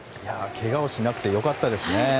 けがをしなくて良かったですね。